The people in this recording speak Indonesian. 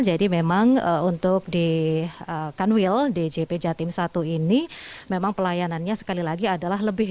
jadi memang untuk di kanwil djp jawa timur i ini memang pelayanannya sekali lagi adalah lebih